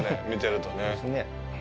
見てるとね。